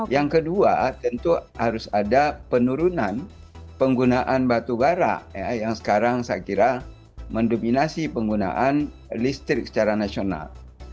yang kedua tentu harus ada penurunan penggunaan batu bara yang sekarang saya kira mendominasi penggunaan listrik secara nasional